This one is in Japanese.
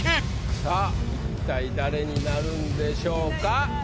さぁ一体誰になるんでしょうか？